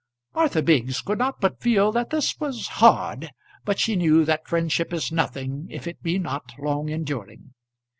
Martha Biggs could not but feel that this was hard, but she knew that friendship is nothing if it be not long enduring.